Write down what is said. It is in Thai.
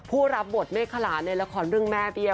ผู้รับบทเมตรขะหลานในละครเรื่องม่อย